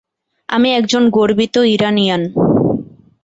আমি একজন গর্বিত ইরানিয়ান!